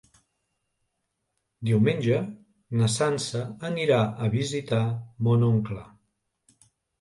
Diumenge na Sança anirà a visitar mon oncle.